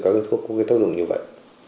các loại thuốc có cái thông dụng như vậy